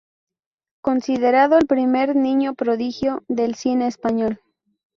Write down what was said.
Considerado el primer "niño prodigio" del cine español.